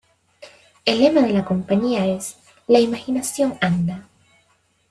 El lema de la compañía es "la imaginación anda.